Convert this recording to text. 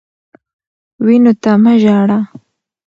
وینو ته مه ژاړه.